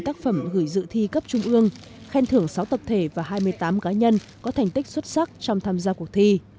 tác phẩm gửi dự thi cấp trung ương khen thưởng sáu tập thể và hai mươi tám cá nhân có thành tích xuất sắc trong tham gia cuộc thi